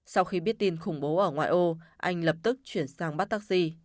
sau khi biết tin khủng bố ở ngoại ô anh lập tức chuyển sang bắt taxi